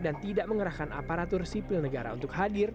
dan tidak mengerahkan aparatur sipil negara untuk hadir